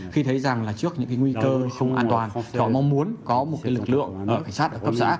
khi thấy rằng là trước những nguy cơ không an toàn tôi mong muốn có một lực lượng cảnh sát ở cấp xã